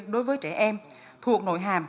đối với trẻ em thuộc nội hàm